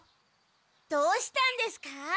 どうしたんですか？